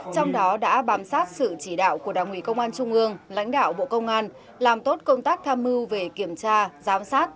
trong đó đã bám sát sự chỉ đạo của đảng ủy công an trung ương lãnh đạo bộ công an làm tốt công tác tham mưu về kiểm tra giám sát